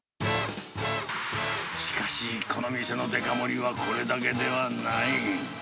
しかし、この店のデカ盛りはこれだけではない。